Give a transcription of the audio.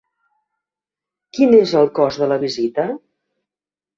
Quin es el cost de la visita?